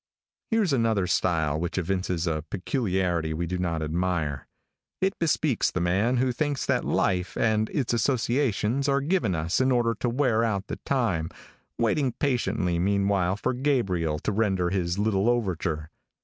Here's another style, which evinces a peculiarity we do not admire. It bespeaks the man who thinks that life and its associations are given us in order to wear out the time, waiting patiently meanwhile for Gabriel to render his little overture.